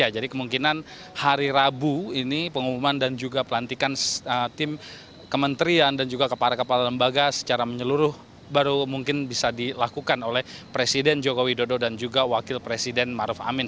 jadi kemungkinan hari rabu ini pengumuman dan juga pelantikan tim kementerian dan juga kepala kepala lembaga secara menyeluruh baru mungkin bisa dilakukan oleh presiden jokowi dodo dan juga wakil presiden maruf amin